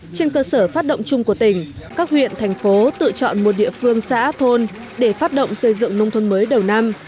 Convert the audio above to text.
trên cơ sở phát động chung của tỉnh các huyện thành phố tự chọn một địa phương xã thôn để phát động xây dựng nông thôn mới đầu năm